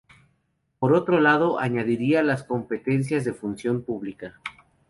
Por otro lado, añadiría las competencias de Función Pública.